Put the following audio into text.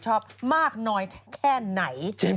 จากกระแสของละครกรุเปสันนิวาสนะฮะ